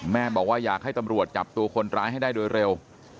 แม่บอกว่าอยากให้ตำรวจจับตัวคนร้ายให้ได้โดยเร็ว